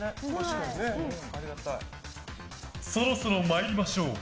そろそろ参りましょう。